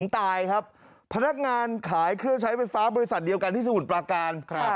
ตายครับพนักงานขายเครื่องใช้ไฟฟ้าบริษัทเดียวกันที่สมุทรปราการ